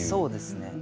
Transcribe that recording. そうですね。